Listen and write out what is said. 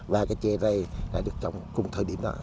và cây trà này là trồng trong cùng thời điểm đó